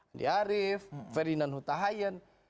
andi arief ferdinand hutahayan